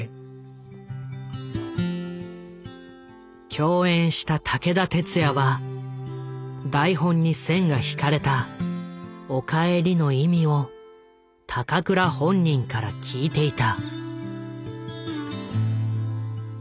共演した武田鉄矢は台本に線が引かれた「お帰り」の意味を高倉本人から聞いていた。